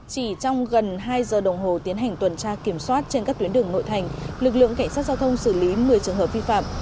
chỉ trong gần hai giờ đồng hồ tiến hành tuần tra kiểm soát trên các tuyến đường nội thành lực lượng cảnh sát giao thông xử lý một mươi trường hợp vi phạm